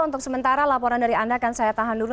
untuk sementara laporan dari anda akan saya tahan dulu